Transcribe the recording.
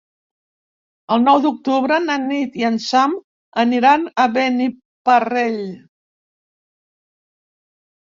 El nou d'octubre na Nit i en Sam aniran a Beniparrell.